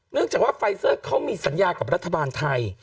เนื่องจากว่าไฟเซอร์เขามีสัญญากับรัฐบาลไทย